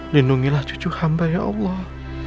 lindungilah cucu hamba ya allah